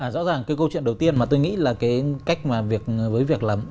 rõ ràng cái câu chuyện đầu tiên mà tôi nghĩ là cái cách mà việc với việc lắm